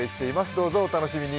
どうぞお楽しみに。